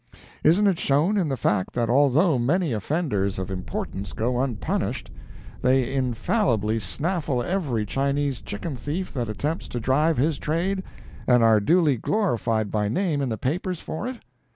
—isn't it shown in the fact that although many offenders of importance go unpunished, they infallibly snaffle every Chinese chicken thief that attempts to drive his trade, and are duly glorified by name in the papers for it?